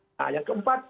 nah yang keempat